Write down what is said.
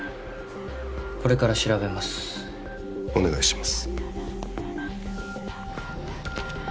これから調べますお願いします